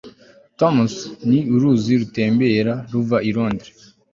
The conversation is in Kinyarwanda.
Thames ni uruzi rutemba ruva i Londres